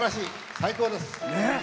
最高です！